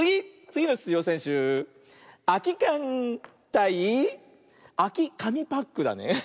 つぎのしゅつじょうせんしゅあきかんたいあきかみパックだね。